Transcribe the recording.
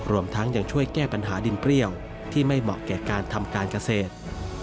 รวมทั้งยังช่วยแก้ปัญหาดินเปรี้ยวที่ไม่เหมาะแก่การทำการเกษตร